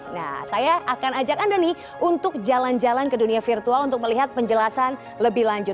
nah saya akan ajak anda nih untuk jalan jalan ke dunia virtual untuk melihat penjelasan lebih lanjut